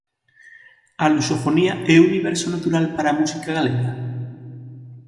A lusofonía é o universo natural para a música galega?